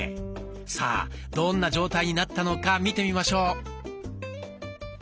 さあどんな状態になったのか見てみましょう。